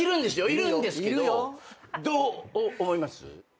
いるんですけどどう思います？